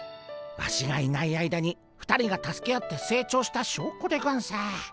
ワシがいない間に２人が助け合って成長したしょうこでゴンス。